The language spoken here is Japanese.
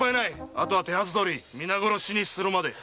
あとは手はずどおり皆殺しにするまで。